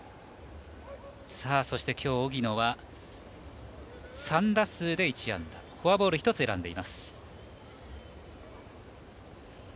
そして、きょう荻野は３打数で１安打フォアボール１つ選んでいます。